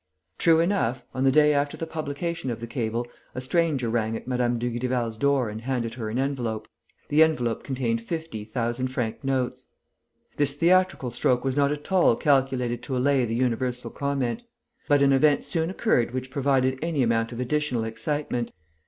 "LUPIN." True enough, on the day after the publication of the cable, a stranger rang at Mme. Dugrival's door and handed her an envelope. The envelope contained fifty thousand franc notes. This theatrical stroke was not at all calculated to allay the universal comment. But an event soon occurred which provided any amount of additional excitement.